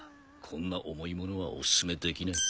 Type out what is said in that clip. こんな重いものはお薦めできない。